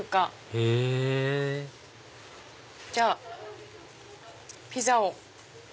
へぇじゃあピザを。